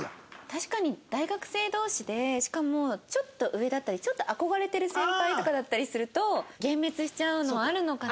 確かに大学生同士でしかもちょっと上だったりちょっと憧れてる先輩とかだったりすると幻滅しちゃうのはあるのかな？